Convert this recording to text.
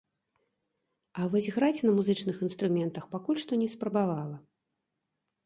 А вось граць на музычных інструментах пакуль што не спрабавала.